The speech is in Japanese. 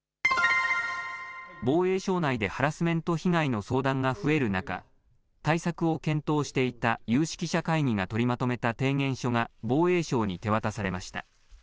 防衛省内でハラスメント被害の相談が増える中、対策を検討していた有識者会議が取りまとめた提言書が、防衛省に手渡されました。